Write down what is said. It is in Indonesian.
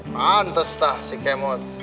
mantas tah si kemot